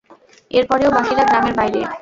এরপরেও বাকিরা গ্রামের বাইরে?